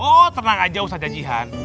oh tenang aja ustadz jajian